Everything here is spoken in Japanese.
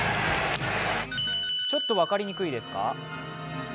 ちょっと分かりにくいですか？